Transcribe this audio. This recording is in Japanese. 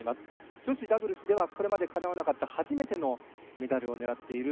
女子ダブルスではこれまでかなわなかった、初めてのメダルを狙っています。